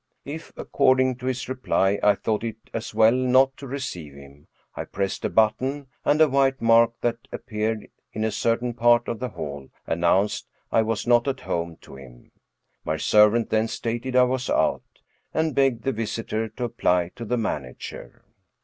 If, accord ing to his reply, I thought it as well not to receive him, I pressed a button, and a white mark that appeared in a 214 M. Rohert'Houdin certain part of the hall announced I was not at home to him. My servant then stated I was out, and begged the visitor to apply to the manager.